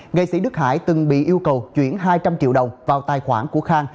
nghệ sĩ đức hải từng bị yêu cầu chuyển hai trăm linh triệu đồng vào tài khoản của khang